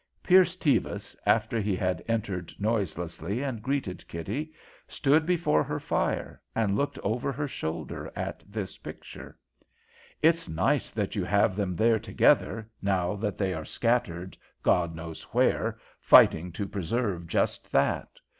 Pierce Tevis, after he had entered noiselessly and greeted Kitty, stood before her fire and looked over her shoulder at this picture. "It's nice that you have them there together, now that they are scattered, God knows where, fighting to preserve just that.